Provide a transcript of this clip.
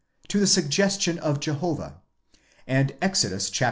to the sugges tion of Jehovah, and Exodus, xviii.